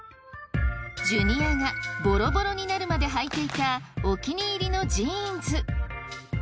ジュニアがボロボロになるまではいていたお気に入りのジーンズ。